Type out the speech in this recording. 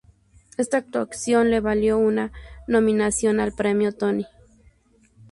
Esta actuación le valió una nominación al Premio Tony.